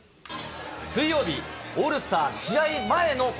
水曜日、オールスター試合前の恒